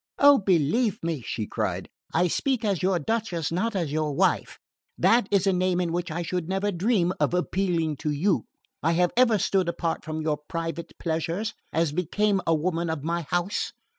"Oh, believe me," she cried, "I speak as your Duchess, not as your wife. That is a name in which I should never dream of appealing to you. I have ever stood apart from your private pleasures, as became a woman of my house."